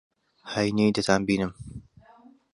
ھەینی دەتانبینم.